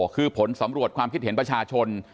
คือผลสำรวจความคิดเห็นประชาชน